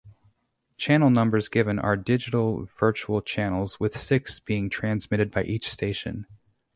Channel numbers given are digital virtual channels, with six being transmitted by each station.